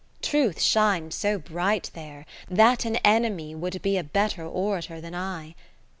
Truth shines so bright there, that an enemy Would be a better orator than I.